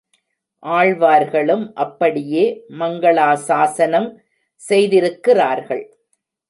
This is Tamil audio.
ஆழ்வார்களும் அப்படியே மங்களாசாஸனம் செய்திருக் கிறார்கள்.